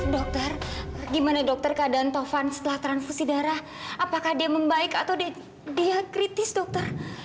dokter gimana dokter keadaan tovan setelah transfusi darah apakah dia membaik atau dia kritis dokter